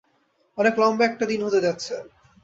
অনেক লম্বা একটা দিন হতে যাচ্ছে।